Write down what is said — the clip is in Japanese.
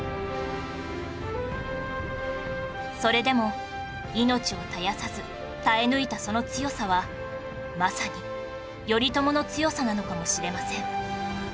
それでも命を絶やさず耐え抜いたその強さはまさに頼朝の強さなのかもしれません